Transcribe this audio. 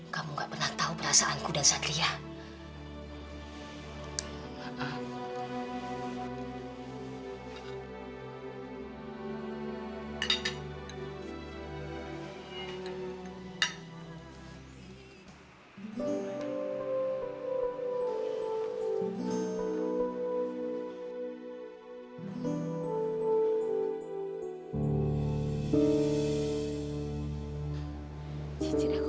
kamu gak pernah tau perasaanku dan satria